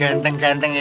ada apaan sih